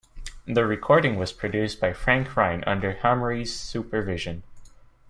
The recording was produced by Frank Rynne under Hamri's supervision.